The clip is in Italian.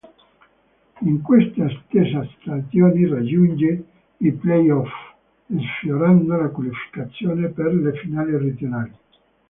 In questa stessa stagione raggiunge i Playoff, sfiorando la qualificazione per le finali Regionali.